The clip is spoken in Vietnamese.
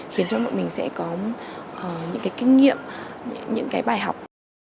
khiến cho bọn mình sẽ có những kinh nghiệm những bài học